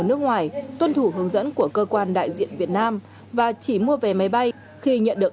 nước ngoài tuân thủ hướng dẫn của cơ quan đại diện việt nam và chỉ mua về máy bay khi nhận được